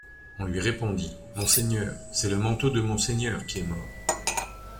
On lui répondit : monseigneur, c’est le manteau de monseigneur qui est mort.